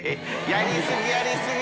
やり過ぎやり過ぎ。